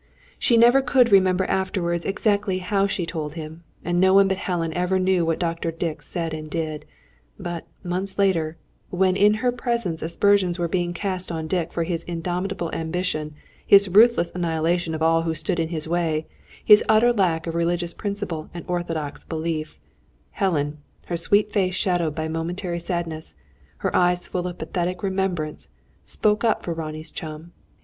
She never could remember afterwards exactly how she told him, and no one but Helen ever knew what Dr. Dick said and did. But, months later when in her presence aspersions were being cast on Dick for his indomitable ambition, his ruthless annihilation of all who stood in his way, his utter lack of religious principle and orthodox belief Helen, her sweet face shadowed by momentary sadness, her eyes full of pathetic remembrance, spoke up for Ronnie's chum.